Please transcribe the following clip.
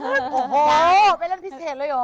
โหไปเล่นพิเศษเลยหรือ